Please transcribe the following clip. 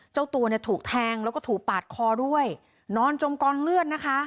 เจ้าตัวเนี่ยถูกแทงแล้วก็ถูกปาดคอด้วยนอนจมกองเลือดนะคะ